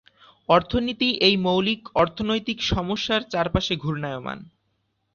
অর্থনীতি এই মৌলিক অর্থনৈতিক সমস্যার চারপাশে ঘূর্ণায়মান।